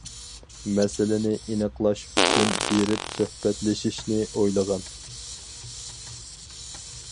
مەسىلىنى ئېنىقلاش ئۈچۈن بېرىپ سۆھبەتلىشىشنى ئويلىغان.